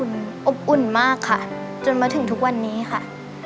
อบอุ่นมากค่ะจนมาถึงทุกวันนี้ค่ะ